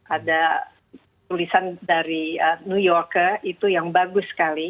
ada tulisan dari new yorker itu yang bagus sekali